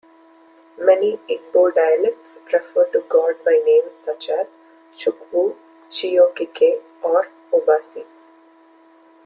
Many Igbo dialects refer to God by names such as "Chukwu", "Chiokike", or "Obasi.